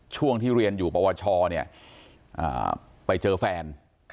ช่วงที่เรียนอยู่ปวชไปเจอแฟน